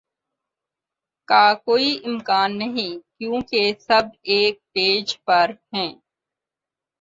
کا کوئی امکان نہیں کیونکہ سب ایک پیج پر ہیں